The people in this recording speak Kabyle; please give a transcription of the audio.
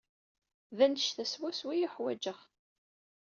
D annect-a swaswa i uḥwaǧeɣ.